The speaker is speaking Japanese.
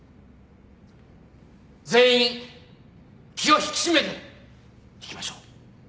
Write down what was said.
全員気を引き締めていきましょう。